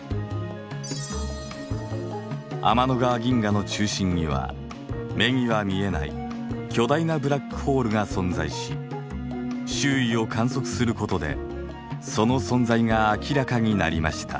天の川銀河の中心には目には見えない巨大なブラックホールが存在し周囲を観測することでその存在が明らかになりました。